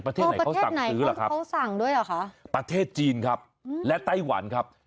ประเทศไหนเขาสั่งซื้อหรือครับประเทศจีนครับและไต้หวันครับ